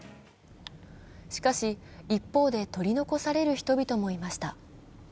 しかし、一方で取り残される人々もいました。